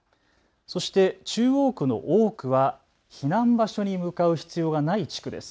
そして中央区の多くは避難場所に向かう必要がない地区です。